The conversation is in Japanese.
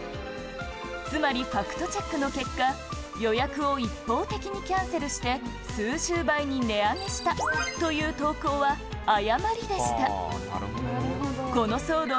つまりファクトチェックの結果、予約を一方的にキャンセルして、数十倍に値上げしたという投稿は、誤りでした。